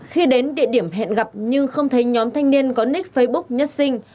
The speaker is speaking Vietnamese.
khi đến địa điểm hẹn gặp nhưng không thấy nhóm thanh niên có nick facebook nhất sinh